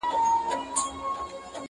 • هغه ورځ به پر دې قام باندي رڼا سي,